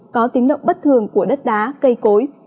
có tính động bất thường của đất đá cây cối